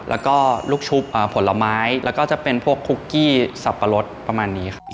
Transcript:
แล้วก็ลูกชุบผลไม้แล้วก็จะเป็นพวกคุกกี้สับปะรดประมาณนี้ครับ